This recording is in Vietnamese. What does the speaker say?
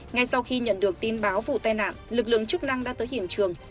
ngay sau khi nhận được tin báo vụ tai nạn lực lượng chức năng đã tới hiện trường